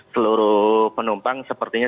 seluruh penumpang sepertinya